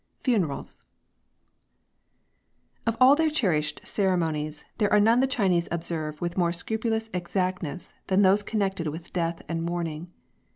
FUNERALS, Of all their cherislied ceremonies, there are none the Chinese observe with* more scrupulous exactness than those connected with death and mourning.